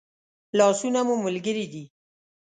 لاسونه مو ملګري دي